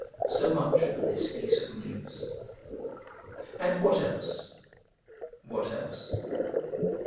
So much for this piece of news. And what else? What else?